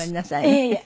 いえいえ。